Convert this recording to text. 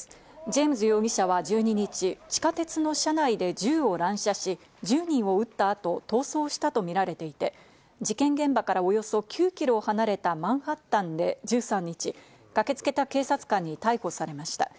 ジェームズ容疑者は１２日、地下鉄の車内で銃を乱射し、１０人を撃った後、逃走したとみられていて、事件現場からおよそ９キロ離れたマンハッタンで１３日、駆けつけた警察官に逮捕されました。